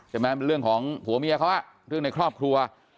มันเป็นเรื่องของผัวเมียเขาเรื่องในครอบครัว